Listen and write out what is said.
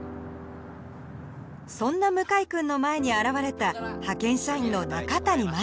そんな向井くんの前に現れた派遣社員の中谷真由